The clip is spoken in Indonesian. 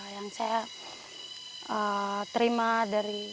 yang saya terima dari